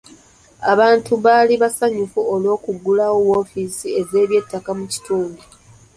Abantu baali basanyufu olw'okuggulawo woofiisi z'ebyettaka mu kitundu.